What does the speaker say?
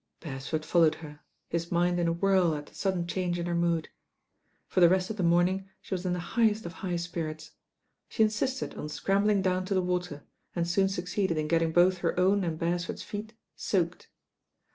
Beresford followed her, his mind in a whirl at the sudden change in her mood. For the rest of the morning she was in the highest of high spirits. She insisted on scrambling down to the water, and soon succeeded in getting both her own and Beresford's feet soaked.